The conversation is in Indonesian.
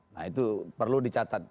nah itu perlu dicatat